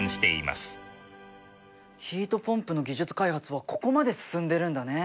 ヒートポンプの技術開発はここまで進んでるんだね。